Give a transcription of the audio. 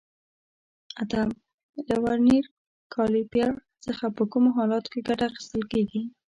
اتم: له ورنیر کالیپر څخه په کومو حالاتو کې ګټه اخیستل کېږي؟